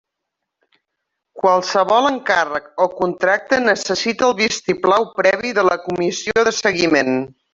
Qualsevol encàrrec o contracte necessita el vistiplau previ de la Comissió de Seguiment.